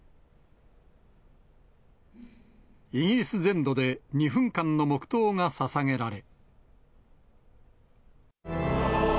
イギリス全土で２分間の黙とうがささげられ。